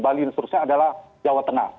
bali dan seterusnya adalah jawa tengah